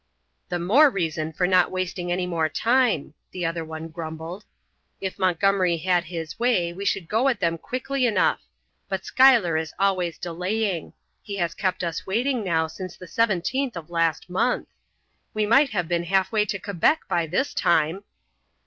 "The more reason for not wasting any more time," the other one grumbled. "If Montgomery had his way we should go at them quickly enough, but Schuyler is always delaying. He has kept us waiting now since the 17th of last month. We might have been halfway to Quebec by this time."